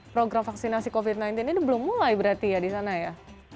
program vaksinasi covid sembilan belas ini belum mulai berarti ya di sana ya